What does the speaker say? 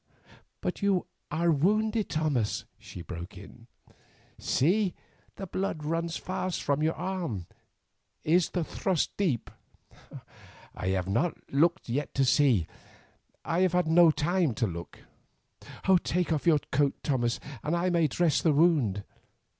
"But you are wounded, Thomas," she broke in; "see, the blood runs fast from your arm. Is the thrust deep?" "I have not looked to see. I have had no time to look." "Take off your coat, Thomas, that I may dress the wound.